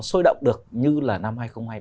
sôi động được như là năm hai nghìn hai mươi ba